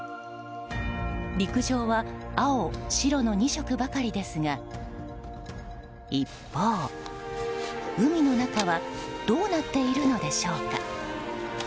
陸上は青、白の２色ばかりですが一方、海の中はどうなっているのでしょうか。